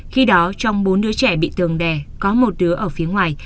khi đó trong bốn đứa trẻ bị tường đè có một đứa ở phía ngoài